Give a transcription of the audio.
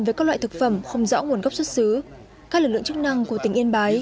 với các loại thực phẩm không rõ nguồn gốc xuất xứ các lực lượng chức năng của tỉnh yên bái